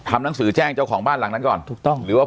หนังสือแจ้งเจ้าของบ้านหลังนั้นก่อนถูกต้องหรือว่า